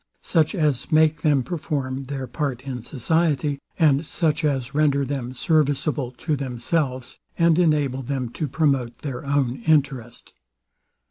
such as make them perform their part in society; and such as render them serviceable to themselves, and enable them to promote their own interest.